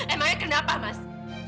emangnya kenapa mas